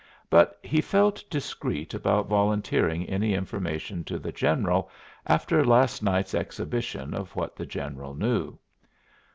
But he felt discreet about volunteering any information to the General after last night's exhibition of what the General knew.